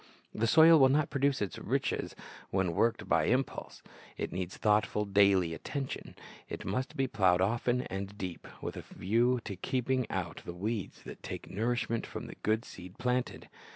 The soil will not produce its riches when worked by impulse. It needs thoughtful, daily attention. It must be plowed often and deep, with a view to keeping out the weeds that take nourishment from the good seed planted.